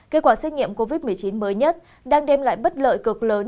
kết quả xét nghiệm covid một mươi chín mới nhất đang đem lại bất lợi cực lớn